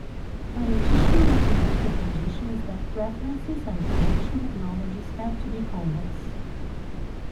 An additional mathematical condition is that preferences and production technologies have to be convex.